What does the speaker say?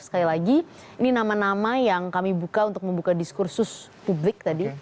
sekali lagi ini nama nama yang kami buka untuk membuka diskursus publik tadi